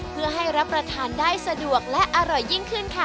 เพื่อให้รับประทานได้สะดวกและอร่อยยิ่งขึ้นค่ะ